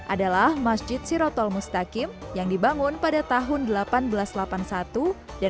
adalah masjid sirotol mustaqim yang dibangun pada tahun seribu delapan ratus delapan puluh satu dan menjadi masjid tertua di samarinda